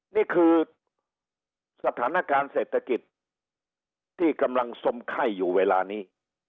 นี่คือสถานการณ์เศรษฐกิจที่กำลังสมไข้อยู่เวลานี้